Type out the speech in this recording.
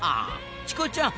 チコちゃん！